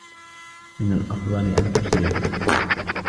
من الأفضل أن تسرعو.